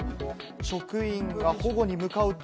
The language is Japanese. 職員が保護に向かうと。